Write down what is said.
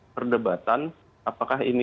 perdebatan apakah ini